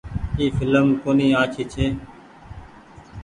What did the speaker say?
اي ڦلم ڪونيٚ آڇي ڇي۔